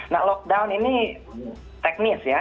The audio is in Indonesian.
nah lockdown ini teknis ya